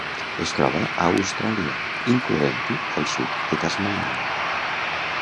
Es troba a Austràlia, incloent-hi el sud de Tasmània.